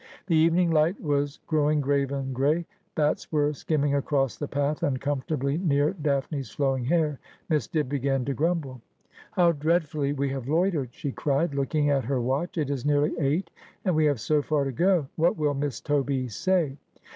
The evening light was growing grave and gray. Bats were skimming across the path, uncomfortably near Daphne's flowing hair. Miss Dibb began to grumble. ' How dreadfully we have loitered !' she cried, looking at her watch. ' It is nearly eight, and we have so far to go. What will Miss Toby say